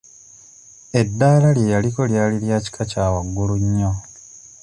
Eddaala lye yaliko lyali lya kika kya waggulu nnyo.